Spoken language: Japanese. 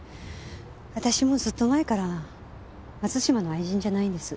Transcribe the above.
私もうずっと前から松島の愛人じゃないんです。